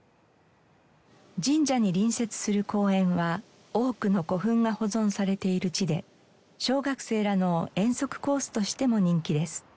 神社に隣接する公園は多くの古墳が保存されている地で小学生らの遠足コースとしても人気です。